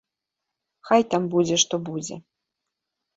Хай там будзе што будзе!